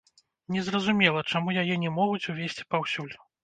Незразумела, чаму яе не могуць увесці паўсюль.